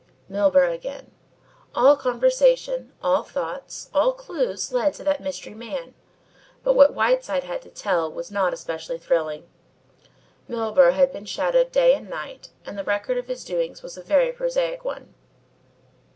Milburgh again! All conversation, all thought, all clues led to that mystery man. But what Whiteside had to tell was not especially thrilling. Milburgh had been shadowed day and night, and the record of his doings was a very prosaic one.